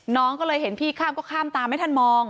น้องก็เลยเห็นพี่ข้ามก็ข้ามตามไม่ทันมอง